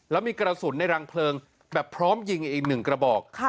แล้วมีกระสุนในรังเพลิงแบบพร้อมยิงอีก๑กระบอก